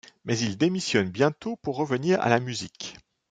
Mais il démissionne bientôt pour revenir à la musique.